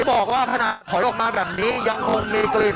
บอกว่าขณะถอยออกมาแบบนี้ยังคงมีกลิ่น